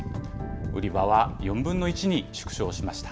売り場は４分の１に縮小しました。